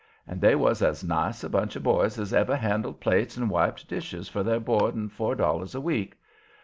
And they was as nice a lot of boys as ever handled plates and wiped dishes for their board and four dollars a week.